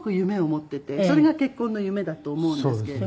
それが結婚の夢だと思うんですけれど。